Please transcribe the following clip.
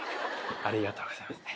ありがとうございます。